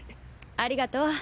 ありがとう。